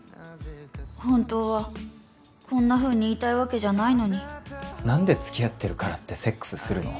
本当はこんなふうに言いたいわけじゃないのに何で付き合ってるからってセックスするの？